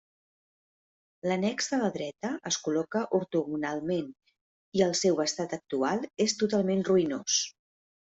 L’annex de la dreta, es col·loca ortogonalment, i el seu estat actual és totalment ruïnós.